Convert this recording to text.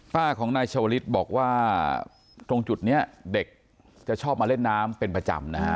ป้าของนายชาวลิศบอกว่าตรงจุดนี้เด็กจะชอบมาเล่นน้ำเป็นประจำนะฮะ